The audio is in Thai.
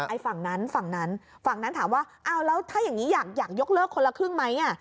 ไอ้ฝั่งนั้นฝั่งนั้นฝั่งนั้นถามว่าอ้าวแล้วถ้าอย่างนี้อยากยกเลิกคนละครึ่งไหมอ่ะ